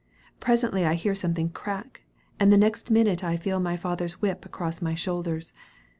Presently I hear something crack! and the next minute I feel my father's whip across my shoulders.